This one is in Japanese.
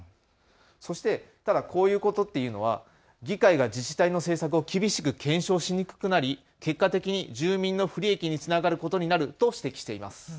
そして、ただこういうことというのは議会が自治体の政策を厳しく検証しにくくなり結果的に住民の不利益につながることになると指摘しています。